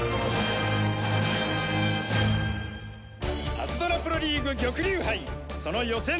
パズドラプロリーグ玉龍杯その予選。